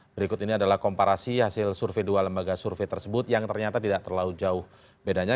berikut ini adalah komparasi hasil survei dua lembaga survei tersebut yang ternyata tidak terlalu jauh bedanya